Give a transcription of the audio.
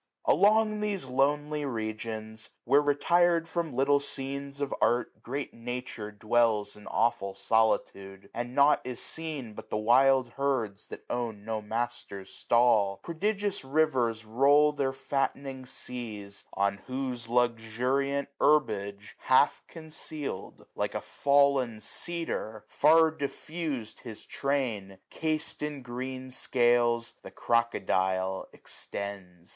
700 Along these lonely regions, where rctir'd From little scenes of art, great Nature dwells In aweful solitude ; and nought is seen But the wild herds that own no master's stall ; Prodigious rivers roll their fattening seas ; 705 On whose luxuriant herbage, half conceal'd. Like a fall'n cedar, far diffus'd his train, Cas'd in green scales, the crocodile extends.